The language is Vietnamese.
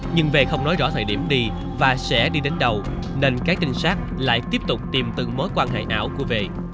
nhưng v không nói rõ thời điểm đi và sẽ đi đến đâu nên các tinh sát lại tiếp tục tìm từng mối quan hệ ảo của v